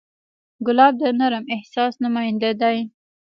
ګلاب د نرم احساس نماینده دی.